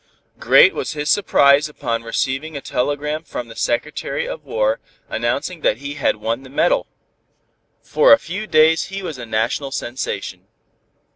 Great was his surprise upon receiving a telegram from the Secretary of War announcing that he had won the medal. For a few days he was a national sensation.